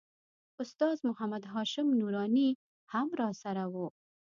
استاد محمد هاشم نوراني هم راسره و.